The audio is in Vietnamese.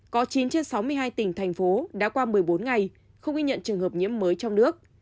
có chín trên sáu mươi hai tỉnh thành phố đã qua một mươi bốn ngày không ghi nhận trường hợp nhiễm mới trong nước